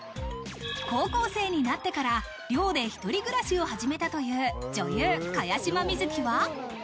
高校生になってから、寮で一人暮らしを始めたという女優・茅島みずきは。